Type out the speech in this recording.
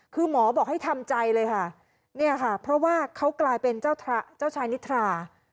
คือหมอบอกให้ทำใจเลยค่ะเนี่ยค่ะเพราะว่าเขากลายเป็นเจ้าชายนิทรา